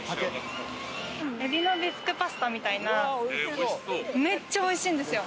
海老のビスクパスタみたいな、めっちゃおいしいんですよ！